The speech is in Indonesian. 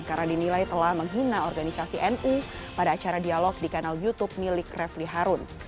karena dinilai telah menghina organisasi nu pada acara dialog di kanal youtube milik refli harun